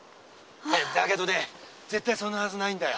だけどね絶対そんなはずないんだよ。